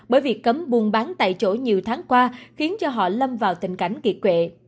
bởi việc cấm buôn bán tại chỗ nhiều tháng qua khiến họ lâm vào tình cảnh kỳ quệ